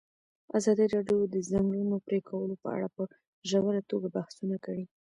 ازادي راډیو د د ځنګلونو پرېکول په اړه په ژوره توګه بحثونه کړي.